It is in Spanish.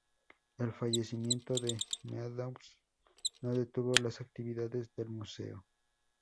El fallecimiento de Meadows no detuvo las actividades del museo.